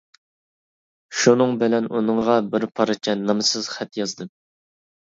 شۇنىڭ بىلەن ئۇنىڭغا بىر پارچە نامسىز خەت يازدىم.